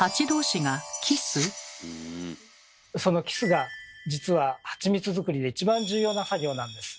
そのキスが実はハチミツ作りで一番重要な作業なんです。